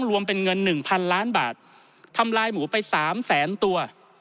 รวมเป็นเงิน๑๐๐ล้านบาททำลายหมูไป๓แสนตัว